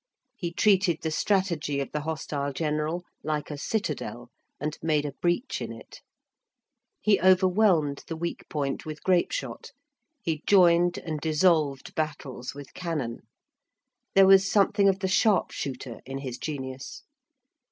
He treated the strategy of the hostile general like a citadel, and made a breach in it. He overwhelmed the weak point with grape shot; he joined and dissolved battles with cannon. There was something of the sharpshooter in his genius.